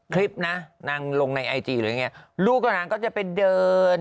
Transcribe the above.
คลิปนะนางลงในไอจีหรืออย่างเงี้ยลูกกับนางก็จะไปเดิน